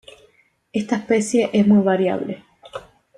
Esta especie es muy variable.